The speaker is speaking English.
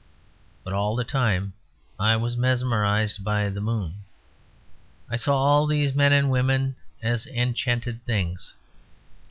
But all the time I was mesmerised by the moon; I saw all these men and women as enchanted things.